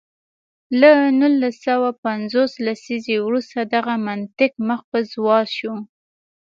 له نولس سوه پنځوس لسیزې وروسته دغه منطق مخ په زوال شو.